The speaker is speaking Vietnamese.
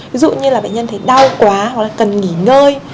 ví dụ như là bệnh nhân thấy đau quá hoặc là cần nghỉ ngơi